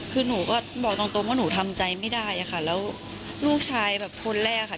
คือหนูก็บอกตรงว่าหนูทำใจไม่ได้อะค่ะแล้วลูกชายแบบคนแรกค่ะ